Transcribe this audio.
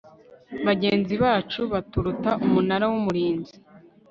bagenzi bacu baturuta umunara wumurinzi